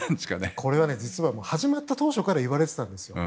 これは実は、始まった当初から言われていたんですよ。